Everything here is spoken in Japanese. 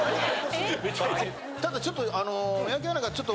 ただちょっと。